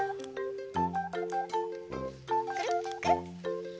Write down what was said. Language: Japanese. くるっくるっ。